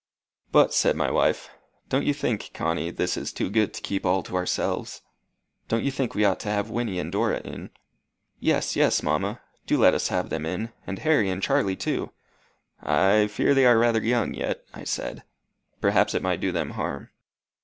"But," said my wife, "don't you think, Connie, this is too good to keep all to ourselves? Don't you think we ought to have Wynnie and Dora in?" "Yes, yes, mamma. Do let us have them in. And Harry and Charlie too." "I fear they are rather young yet," I said. "Perhaps it might do them harm."